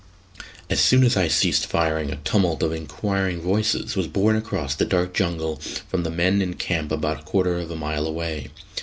As soon as I ceased firing, a tumult of inquiring voices was borne across the dark jungle from the men in camp about a quarter of a mile away.